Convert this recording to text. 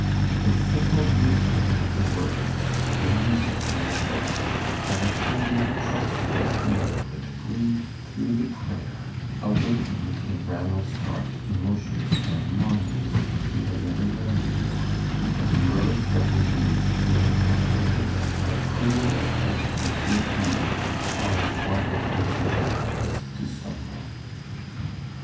The simple beauty of the words, the music in the voice, and the tender, trustful feeling that breathed through the prayer awakened in Ranald's heart emotions and longings he had never known before, and he rose from his knees feeling how wicked and how cruel a thing it would be to cause one of these little ones to stumble.